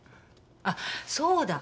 あっそうだ。